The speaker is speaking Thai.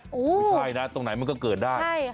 ไม่ใช่นะตรงไหนมันก็เกิดได้